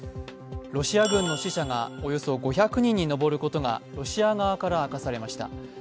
ロシア軍の死者がおよそ５００人に上ることがロシア側から明かされました。